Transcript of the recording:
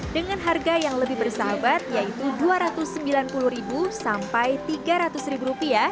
dengan harga yang lebih bersahabat yaitu rp dua ratus sembilan puluh sampai rp tiga ratus